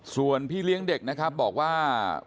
ส่วนพี่เลี้ยงเด็กนะครับบอกว่า